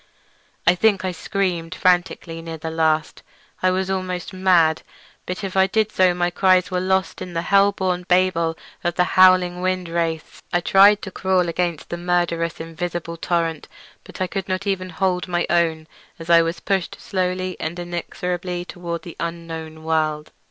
I think I screamed frantically near the last—I was almost mad—but if I did so my cries were lost in the hell born babel of the howling wind wraiths. I tried to crawl against the murderous invisible torrent, but I could not even hold my own as I was pushed slowly and inexorably toward the unknown world.